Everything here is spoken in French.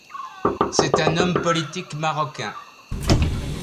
C'est un homme politique marocain.